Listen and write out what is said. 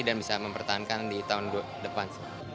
dan bisa mempertahankan di tahun depan